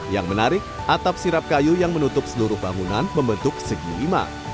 yang menarik atap sirap kayu yang menutup seluruh bangunan membentuk segi lima